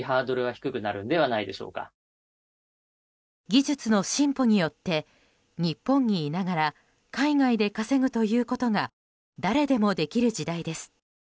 技術の進歩によって日本にいながら海外で稼ぐということが誰でもできる時代です。